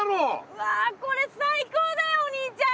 うわこれ最高だよお兄ちゃん！